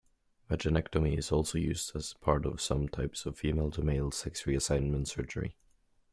Vaginectomy is also used as part of some types of female-to-male sex reassignment surgery.